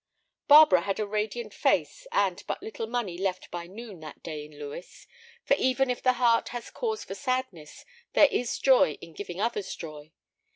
Barbara had a radiant face and but little money left by noon that day in Lewes, for even if the heart has cause for sadness there is joy in giving others joy.